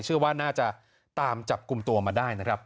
เชื่อว่าน่าจะตามจับกลุ่มตัวมาได้นะครับ